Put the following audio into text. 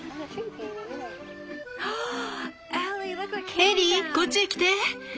エリーこっちへ来て。